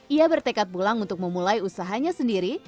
ia bertekad pulang untuk memulai usahanya sendiri